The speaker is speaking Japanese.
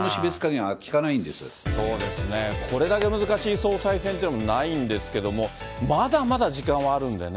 そうですね、これだけ難しい総裁選っていうのもないんですけども、まだまだ時間があるんでね。